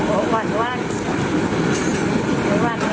ข้าวประจักรนี่สวยแทก